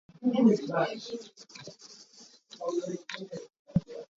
Hmanthlak suai na thiam maw?